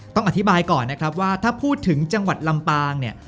ต้องอธิบายก่อนนะครับว่าถ้าพูดถึงจังหวัดลำปางเนี่ย